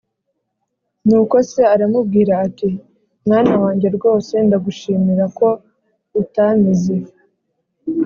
nuko se aramubwira ati: "mwana wange rwose ndagushimira ko utamize